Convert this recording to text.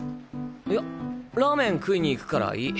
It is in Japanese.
いやラーメン食いに行くからいい。